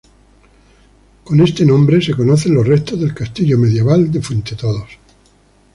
Con este nombre se conocen los restos del castillo medieval de Fuendetodos.